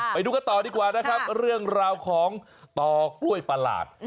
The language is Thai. ไปดูกันต่อดีกว่านะครับเรื่องราวของต่อกล้วยประหลาด